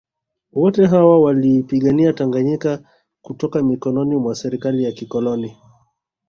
Wote hawa waliipigania Tanganyika kutoka mikononi mwa serikali ya kikoloni